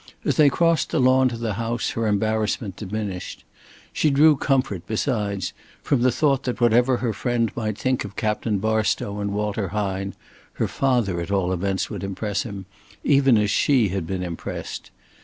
As they crossed the lawn to the house her embarrassment diminished. She drew comfort, besides, from the thought that whatever her friend might think of Captain Barstow and Walter Hine, her father at all events would impress him, even as she had been impressed.